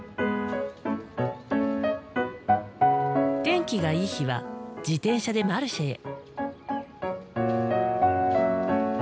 天気がいい日は自転車でマルシェへ。